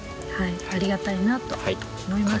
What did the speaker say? ありがたいなと思います。